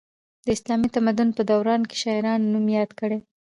د اسلامي تمدن په دوران کې شاعرانو نوم یاد کړی.